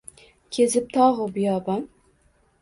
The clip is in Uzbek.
Kezib tog’u biyobon